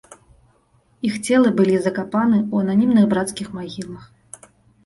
Іх целы былі закапаны ў ананімных брацкіх магілах.